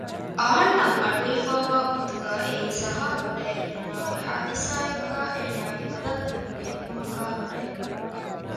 އަހަންނަށް އަޑުއިވިފައިވާ ގޮތުގައި އެއީ ޒަހާ ކުޑައިރު ދިމާވި ޙާދިޘާއެއްގައި އޭނާގެ ލޮލަށް ލިބުނު ގެއްލުމަކާއި ހުރޭ